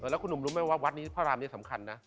แล้วคุณหนุ่มรู้ไหมว่าวัดนี้พระรามนี้สำคัญนะ